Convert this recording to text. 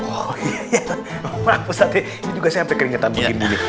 oh iya ya maaf ustaz ya ini juga saya sampai keringetan begini